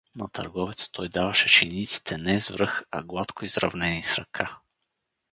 На търговеца той даваше шиниците не с връх, а гладко изравнени с ръка.